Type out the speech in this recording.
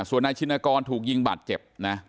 ส่วนนายชินกรถูกยิงบาดเจ็บนะ